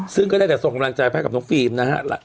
ซึ่งก็ได้แต่ส่งกำลังใจไปกับน้องฟิล์มนะฮะ